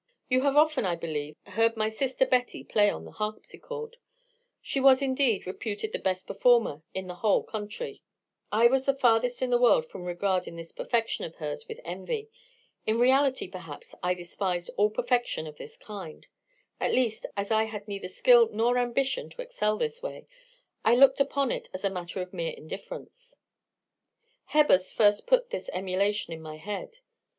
"You have often, I believe, heard my sister Betty play on the harpsichord; she was, indeed, reputed the best performer in the whole country. "I was the farthest in the world from regarding this perfection of hers with envy. In reality, perhaps, I despised all perfection of this kind: at least, as I had neither skill nor ambition to excel this way, I looked upon it as a matter of mere indifference. "Hebbers first put this emulation in my head.